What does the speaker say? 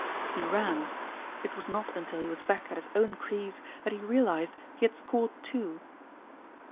He ran. It was not until he was back at his own crease that he realised he had scored two.